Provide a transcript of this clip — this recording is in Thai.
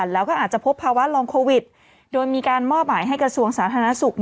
แล้วก็อาจจะพบภาวะลองโควิดโดยมีการมอบหมายให้กระทรวงสาธารณสุข